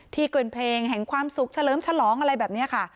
เกินเพลงแห่งความสุขเฉลิมฉลองอะไรแบบนี้ค่ะ